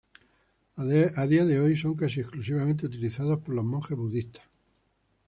A día de hoy son casi exclusivamente utilizados por los monjes budistas.